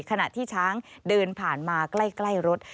ขณะที่ช้างเดินผ่านมาใกล้รถ